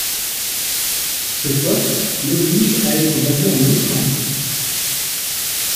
Ce poste l'oblige à être basé en Australie.